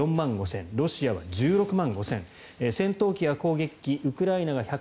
４万５０００ロシアは１６万５０００戦闘機や攻撃機ウクライナが